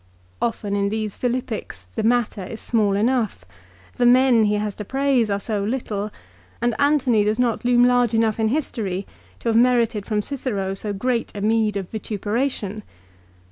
Often in these Philippics the matter is small enough. The men he has to praise are so little; and Antony does not loom large enough in history to have merited from Cicero so great a meed of vituperation